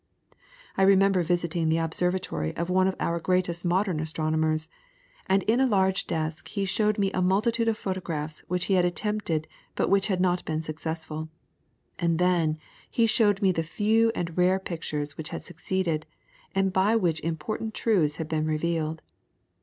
I remember visiting the observatory of one of our greatest modern astronomers, and in a large desk he showed me a multitude of photographs which he had attempted but which had not been successful, and then he showed me the few and rare pictures which had succeeded, and by which important truths had been revealed.